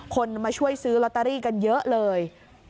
คนมาช่วยซื้อลอตเตอรี่กันเยอะเลย